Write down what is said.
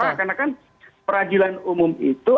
kenapa karena kan peradilan umum itu